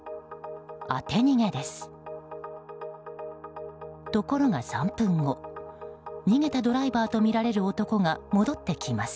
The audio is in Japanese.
当て逃げです。